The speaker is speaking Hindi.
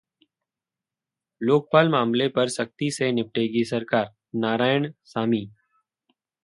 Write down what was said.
लोकपाल मामले पर सख्ती से निपटेगी सरकार: नारायणसामी